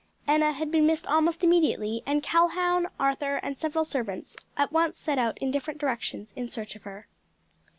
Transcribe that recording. Enna had been missed almost immediately, and Calhoun, Arthur and several servants at once set out in different directions in search of her.